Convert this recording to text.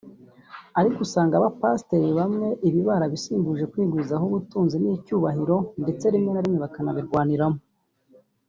Ariko usanga abapasiteri bamwe ibi barabisimbuje kwigwizaho ubutunzi n’icyubahiro ndetse rimwe na rimwe bakabirwaniramo